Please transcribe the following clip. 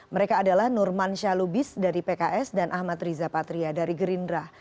mereka adalah nurman syah lubis dari pks dan ahmad riza patria dari gerindra